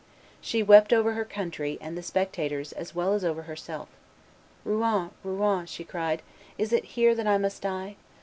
She wept over her country and the spectators as well as over herself. "Rouen, Rouen," she cried, "is it here that I must die?